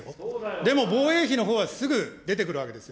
でも、防衛費のほうはすぐ出てくるわけですよ。